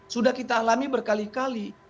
sudah kita alami berkali kali